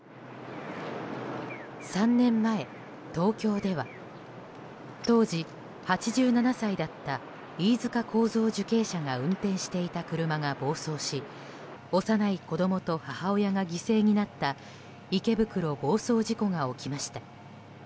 ３年前、東京では当時８７歳だった飯塚幸三受刑者が運転していた車が暴走し幼い子供と母親が犠牲になった池袋暴走事故が起きました。